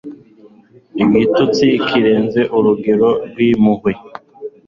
Igitutsi kirenze urugero n'impuhwe